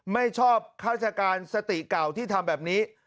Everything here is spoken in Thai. ไม่ชอบข้าราชการสติเก่าที่ทำแบบนี้